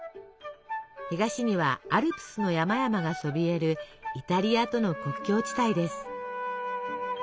東にはアルプスの山々がそびえるイタリアとの国境地帯です。